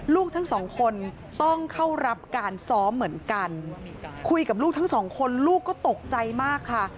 ลูกทั้งสองคนต้องเข้ารับการซ้อมเหมือนกันคุยกับลูกทั้งสองคนลูกก็ตกใจมากค่ะ